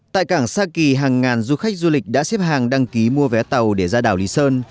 tại cảng sa kỳ hàng ngàn du khách du lịch đã xếp hàng đăng ký mua vé tàu để ra đảo lý sơn